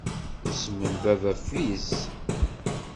Isem n Baba Fritz.